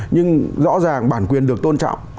nhưng rõ ràng bản quyền được tôn trọng